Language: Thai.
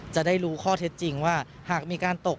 จะได้รู้ข้อเท็จจริงว่าหากมีการตก